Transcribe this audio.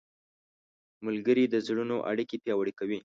ملګري د زړونو اړیکې پیاوړې کوي.